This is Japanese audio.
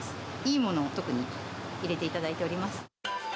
いいものを特に入れていただいております。